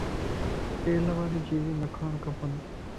تيل واريون چيزون نه کاڻ کپ